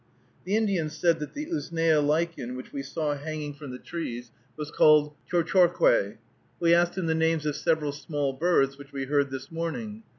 The Indian said that the usnea lichen which we saw hanging from the trees was called chorchorque. We asked him the names of several small birds which we heard this morning.